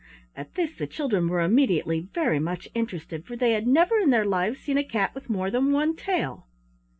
At this the children were immediately very much interested, for they had never in their lives seen a cat with more than one tail.